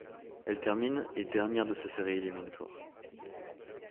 Elle termine et dernière de sa série éliminatoire.